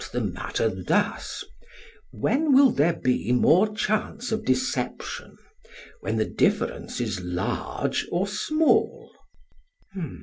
SOCRATES: Let me put the matter thus: When will there be more chance of deception when the difference is large or small?